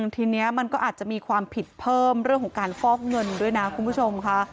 ทีนี้มันก็อาจจะมีความผิดเพิ่มเรื่องของการฟอกเงินด้วยนะคุณผู้ชมค่ะ